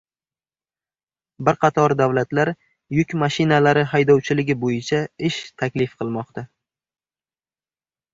Bir qator davlatlar yuk mashinalari haydovchiligi bo‘yicha ish taklif qilmoqda